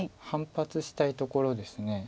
反発したいところです。